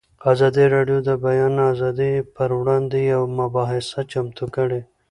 ازادي راډیو د د بیان آزادي پر وړاندې یوه مباحثه چمتو کړې.